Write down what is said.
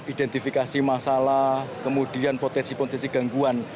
identifikasi masalah kemudian potensi potensi gangguan